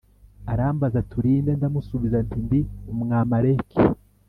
Arambaza ati ‘Uri nde?’ Ndamusubiza nti ‘Ndi Umwamaleki’